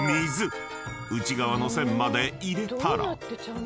［内側の線まで入れたら］